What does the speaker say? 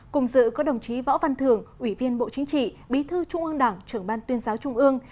cùng dự có đồng chí võ văn thường ủy viên bộ chính trị bí thư trung ương đảng trưởng ban tuyên giáo trung ương